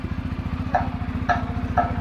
卡西亚蝇子草是石竹科蝇子草属的植物。